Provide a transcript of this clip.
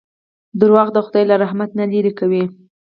• دروغ د خدای له رحمت نه لرې کوي.